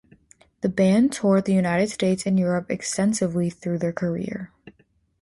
The band toured the United States and Europe extensively through their career.